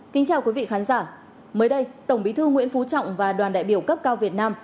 kính chào quý vị khán giả mới đây tổng bí thư nguyễn phú trọng và đoàn đại biểu cấp cao việt nam